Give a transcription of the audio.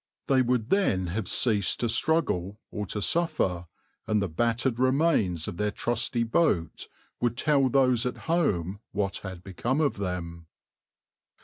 They would then have ceased to struggle or to suffer, and the battered remains of their trusty boat would tell those at home what had become of them.